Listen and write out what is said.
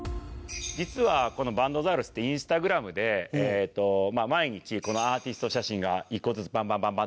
実はこのバンドザウルスってＩｎｓｔａｇｒａｍで毎日このアーティスト写真が１個ずつバンバンバンバンって上がってるんですけど。